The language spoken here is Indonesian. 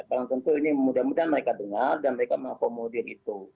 orang tentu ini mudah mudahan mereka dengar dan mereka mengakomodir itu